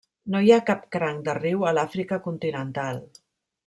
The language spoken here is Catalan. No hi ha cap cranc de riu a l'Àfrica continental.